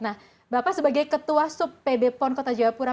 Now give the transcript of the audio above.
nah bapak sebagai ketua sub pb pon kota jayapura